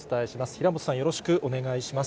平本さん、よろしくお願いします。